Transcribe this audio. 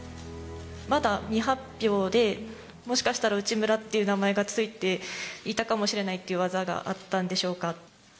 まだ未発表で、もしかしたらウチムラっていう名前が付いていたかもしれないっていう技があったんでしょうか。